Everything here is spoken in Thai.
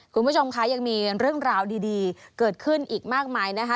คุณผู้ชมคะยังมีเรื่องราวดีเกิดขึ้นอีกมากมายนะคะ